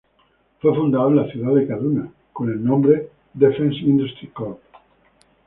Fue fundado en la ciudad de Kaduna con el nombre Defense Industry Corp.